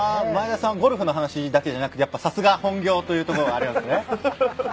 前田さん、さすがゴルフの話だけじゃなくてやっぱりさすが本業というところがありますね。